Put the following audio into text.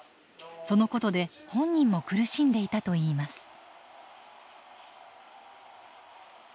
そのことで本人も苦しんでいたといいます。